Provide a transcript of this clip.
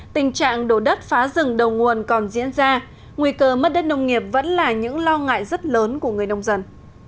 tình trạng đổ đất phá rừng đầu nguồn còn diễn ra nguy cơ mất đất nông nghiệp vẫn là những lo ngại rất lớn của người nông dân